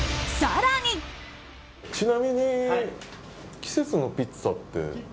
ちなみに季節のピッツァって。